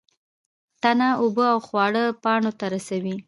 تنه اوبه او خواړه پاڼو ته رسوي